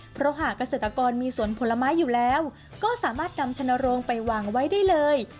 เพราะหากเกษตรกรมีสวนผลไม้อยู่แล้วก็สามารถนำชนโรงไปวางไว้ได้เลย